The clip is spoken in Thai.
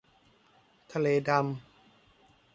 ทะเลดำ